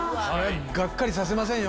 がっかりさせませんよ